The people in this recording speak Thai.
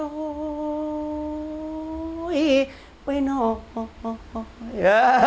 โอ้ยไปน้อย